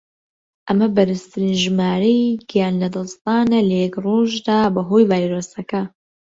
ئەمە بەرزترین ژمارەی گیان لەدەستدانە لە یەک ڕۆژدا بەهۆی ڤایرۆسەکە.